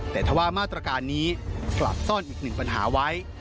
แต่ถ้าว่ามาตรการนี้กลับซ่อนอีกหนึ่งปัญหาไว้